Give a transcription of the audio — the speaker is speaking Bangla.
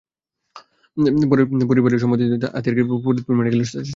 পরে পরিবারের সম্মতিতে আতিয়ারকে সন্ধ্যায় ফরিদপুর মেডিকেল কলেজ হাসপাতালে পাঠানো হয়।